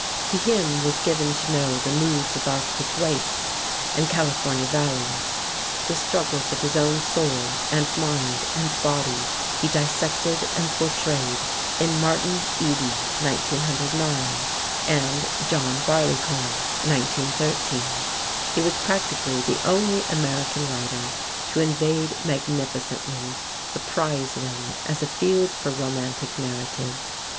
To him was given to know the moods of Arctic wastes and California valleys. The struggles of his own soul and mind and body he dissected and portrayed in "Martin Eden" (1909) and "John Barleycorn" (1913). He was practically the only American writer to invade magnificently the prize ring as a field for romantic narrative.